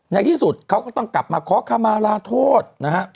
ในที่สุดเขาก็ต้องกลับมาขอคำมาลาโทษนะฮะ